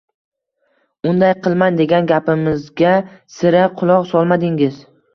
Unday qilmang, degan gapimizga sira quloq solmadingiz.